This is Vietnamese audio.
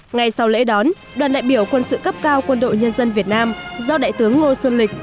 ngay sau lễ đón đoàn đại biểu quân sự cấp cao quân đội nhân dân việt nam do đại tướng ngô xuân lịch